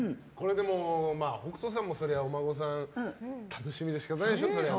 でも、北斗さんもそりゃお孫さん楽しみで仕方ないでしょ。